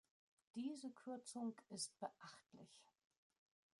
Diese Kürzung ist beachtlich.